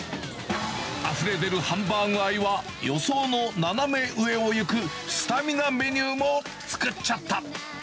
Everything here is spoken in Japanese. あふれ出るハンバーグ愛は、予想の斜め上をいく、スタミナメニューも作っちゃった。